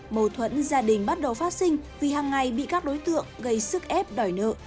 mâu thuẫn gia đình bắt đầu phát sinh vì hàng ngày bị các đối tượng gây sức ép đòi nợ